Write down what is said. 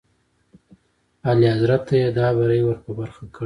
اعلیحضرت ته یې دا بری ور په برخه کړی دی.